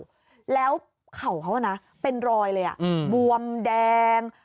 ไม่รู้แล้วเข่าเขาเป็นรอยบวมแดง